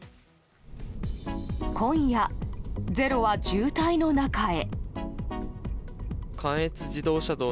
今夜、「ｚｅｒｏ」は渋滞の中へ。